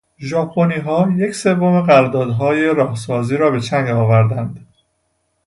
ژاپنیها یک سوم قراردادهای راهسازی را به چنگ آوردهاند.